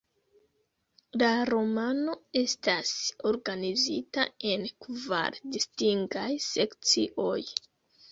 La romano estas organizita en kvar distingaj sekcioj.